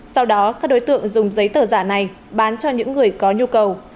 sau đó các đối tượng dùng giấy tờ giả này bán cho những người có nhu cầu